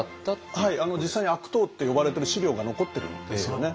はい実際に「悪党」って呼ばれてる資料が残ってるんですよね。